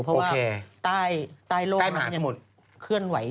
เพราะว่าใต้โลกมันยังเว่นเว่น